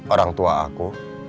orang tua aku